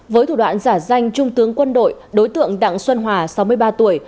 với thủ đoạn giả danh trung tướng quân đội đối tượng đặng xuân hòa sáu mươi ba tuổi